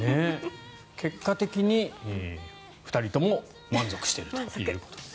結果的に２人とも満足しているという。